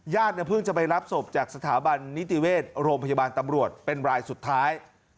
เพิ่งจะไปรับศพจากสถาบันนิติเวชโรงพยาบาลตำรวจเป็นรายสุดท้าย